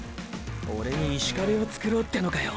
オレに“石壁”を作ろうってのかよ。